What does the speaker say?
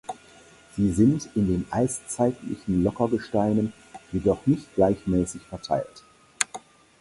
Sie sind in den eiszeitlichen Lockergesteinen jedoch nicht gleichmäßig verteilt.